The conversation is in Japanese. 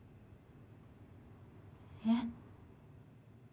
えっ。